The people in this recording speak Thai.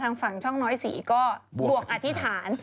ฝั่งช่องน้อยสีก็บวกอธิษฐาน